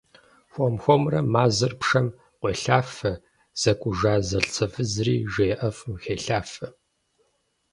Хуэм хуэмурэ мазэр пшэм къуелъафэ, зэкӏужа зэлӏзэфызри жей ӏэфӏым хелъафэ.